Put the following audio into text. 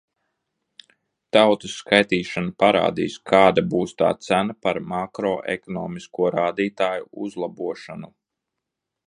Tautas skaitīšana parādīs, kāda būs tā cena par makroekonomisko rādītāju uzlabošanu.